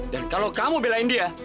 dan kalau kamu belain dia